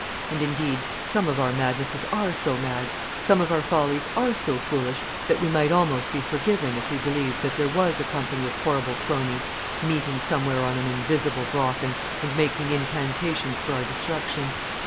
And indeed some of our madnesses are so mad, some of our follies are so foolish, that we might almost be forgiven if we believed that there was a company of horrible crones meeting somewhere on an invisible Brocken, and making incantations for our destruction.